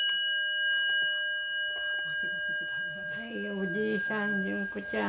おじいさん順子ちゃん。